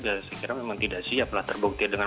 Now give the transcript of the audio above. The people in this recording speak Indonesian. saya kira memang tidak siap lah terbukti dengan